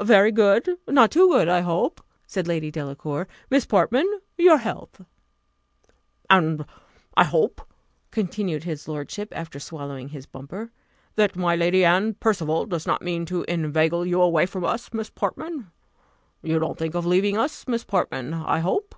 "Very good not too good, I hope," said Lady Delacour. "Miss Portman, your health." "And I hope," continued his lordship, after swallowing his bumper, "that my Lady Anne Percival does not mean to inveigle you away from us, Miss Portman. You don't think of leaving us, Miss Portman, I hope?